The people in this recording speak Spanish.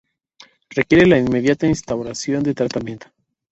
Requiere la inmediata instauración de tratamiento.